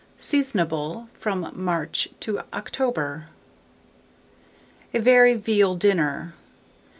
Seasonable from March to October. A VERY VEAL DINNER.